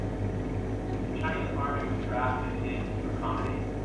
The Chinese army was drafted in to accommodate.